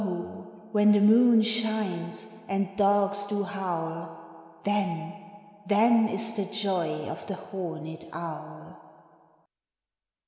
0, when the moon shines, and dogs do howl, Then, then, is the joy of the horned owl!